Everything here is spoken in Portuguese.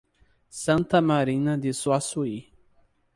Santa Maria do Suaçuí